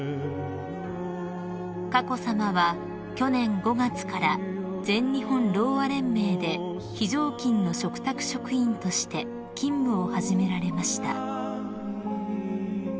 ［佳子さまは去年５月から全日本ろうあ連盟で非常勤の嘱託職員として勤務を始められました］